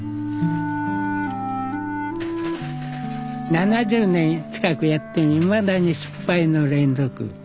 ７０年近くやってもいまだに失敗の連続。